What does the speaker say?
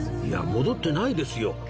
いや戻ってないですよ。